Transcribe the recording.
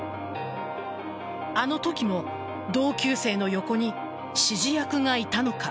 あの時も同級生の横に指示役がいたのか。